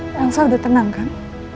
langsung udah tenang kan